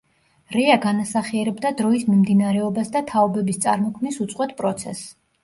რეა განასახიერებდა დროის მიმდინარეობას და თაობების წარმოქმნის უწყვეტ პროცესს.